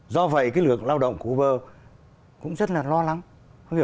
do vậy lượng lao động của uber cũng rất là lo lắng